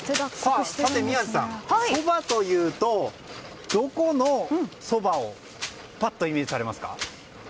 宮司さん、そばというとどこのそばをパッとイメージされますか？